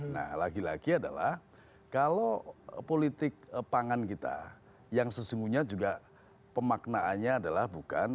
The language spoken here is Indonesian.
nah lagi lagi adalah kalau politik pangan kita yang sesungguhnya juga pemaknaannya adalah bukan